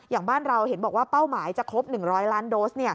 อย่างบ้านเราเห็นบอกว่าเป้าหมายจะครบ๑๐๐ล้านโดส